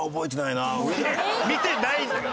見てないんだよ！